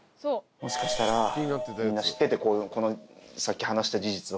もしかしたらみんな知っててさっき話した事実を。